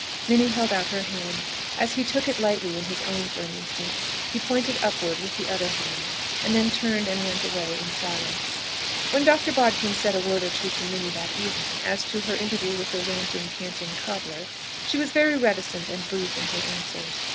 Minnie held out her hand. As he took it lightly in his own for an instant, he pointed upward with the other hand, and then turned and went away in silence. When Dr. Bodkin said a word or two to Minnie that evening, as to her interview with the "ranting, canting cobbler," she was very reticent and brief in her answers.